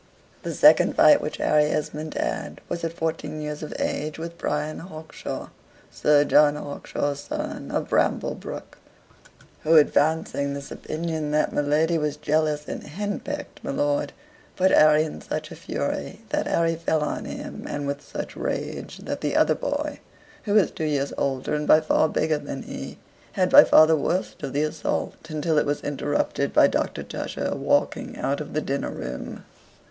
The second fight which Harry Esmond had, was at fourteen years of age, with Bryan Hawkshaw, Sir John Hawkshaw's son, of Bramblebrook, who, advancing this opinion, that my lady was jealous and henpecked my lord, put Harry in such a fury, that Harry fell on him and with such rage, that the other boy, who was two years older and by far bigger than he, had by far the worst of the assault, until it was interrupted by Doctor Tusher walking out of the dinner room.